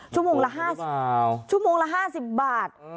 ชั่วโมงละ๕๐บาท